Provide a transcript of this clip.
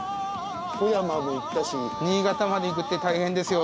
富山も行ったし、新潟まで行くって大変ですよ。